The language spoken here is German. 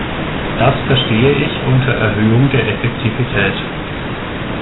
Das verstehe ich unter Erhöhung der Effektivität.